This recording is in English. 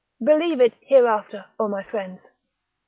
Believe it hereafter, O my friends!